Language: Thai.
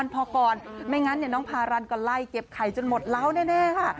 พอก่อนไม่งั้นน้องพารันก็ไล่เก็บไข่จนหมดเล้าแน่ค่ะ